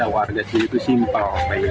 warga sendiri itu simpel